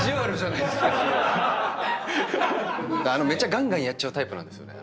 ガンガンやっちゃうタイプなんですよね。